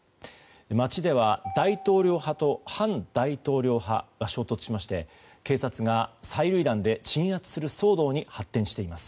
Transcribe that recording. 街では大統領派と反大統領派が衝突しまして警察が催涙弾で鎮圧する騒動に発展しています。